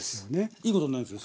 いいことになるんですよ。